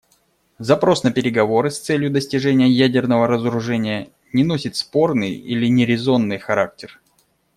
Запрос на переговоры с целью достижения ядерного разоружения не носит спорный или нерезонный характер.